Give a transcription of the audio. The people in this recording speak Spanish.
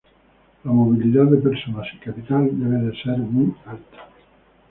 La movilidad de personas y capital debe ser muy alta.